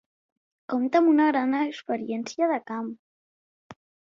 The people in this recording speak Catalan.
Compta amb una gran experiència de camp.